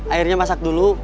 airnya masak dulu